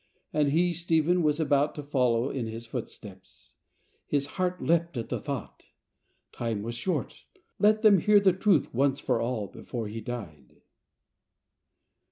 And he, Stephen, was about to follow in His footsteps. His heart leapt at the thought. Time was 12 LIFE 'OF ST. PAULS||e||:;:;g|:f:|: short, let them hear the truth once for all before he died.